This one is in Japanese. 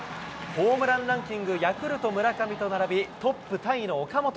ホームランランキング、ヤクルト、村上と並び、トップタイの岡本。